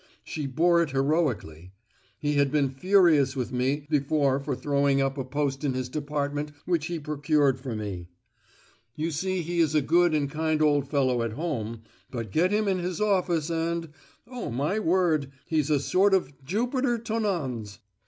She bore it heroically. He had been furious with me before for throwing up a post in his department which he procured for me. You see he is a good and kind old fellow at home, but get him in his office and—oh, my word!—he's a sort of Jupiter Tonans!